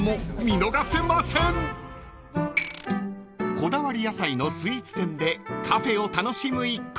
［こだわり野菜のスイーツ店でカフェを楽しむ一行］